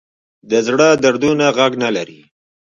د زړه دردونه غږ نه لري